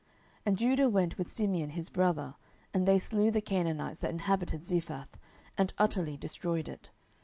07:001:017 And Judah went with Simeon his brother, and they slew the Canaanites that inhabited Zephath, and utterly destroyed it.